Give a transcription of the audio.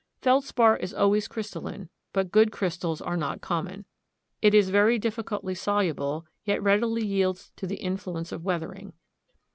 Feldspar is always crystalline, but good crystals are not common. It is very difficultly soluble, yet readily yields to the influence of weathering.